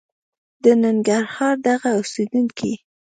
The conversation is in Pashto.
د ننګرهار دغه اوسېدونکي